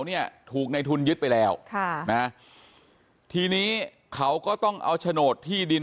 เนี่ยถูกในทุนยึดไปแล้วค่ะนะทีนี้เขาก็ต้องเอาโฉนดที่ดิน